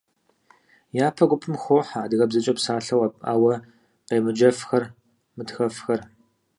Япэ гупым хохьэ адыгэбзэкӏэ псалъэу, ауэ къемыджэфхэр, мытхэфхэр.